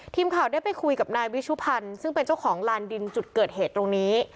ทีมข่าวได้ไปคุยกับนายวิชุพันธ์ซึ่งเป็นเจ้าของลานดินจุดเกิดเหตุตรงนี้